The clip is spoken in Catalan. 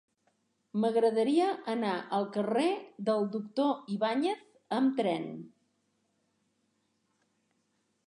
M'agradaria anar al carrer del Doctor Ibáñez amb tren.